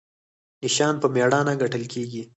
نشان په میړانه ګټل کیږي